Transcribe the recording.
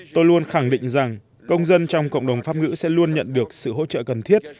tôi luôn khẳng định rằng công dân trong cộng đồng pháp ngữ sẽ luôn nhận được sự hỗ trợ cần thiết